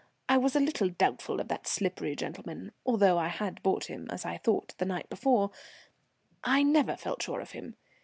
I was a little doubtful of that slippery gentleman; although I had bought him, as I thought, the night before, I never felt sure of him.